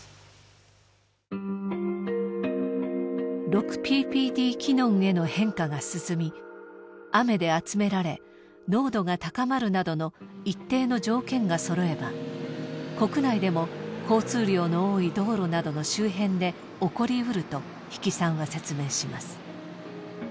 ６ＰＰＤ−キノンへの変化が進み雨で集められ濃度が高まるなどの一定の条件がそろえば国内でも交通量の多い道路などの周辺で起こりうると日置さんは説明します。